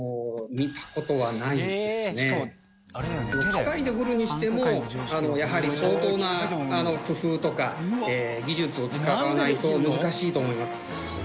機械で彫るにしてもやはり相当な工夫とか技術を使わないと難しいと思います。